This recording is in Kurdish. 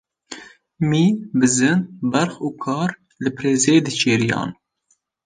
Mî, bizin, berx û kar li pirêzê diçêriyan.